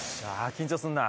緊張するな。